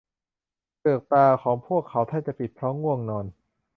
เปลือกตาของพวกเขาแทบจะปิดเพราะง่วงนอน